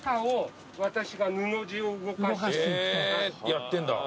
やってんだ。